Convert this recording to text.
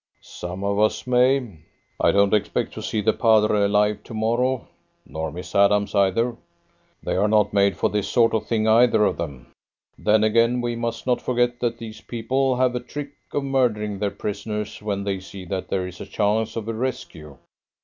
"Some of us may. I don't expect to see the padre alive to morrow, nor Miss Adams either. They are not made for this sort of thing either of them. Then again we must not forget that these people have a trick of murdering their prisoners when they see that there is a chance of a rescue.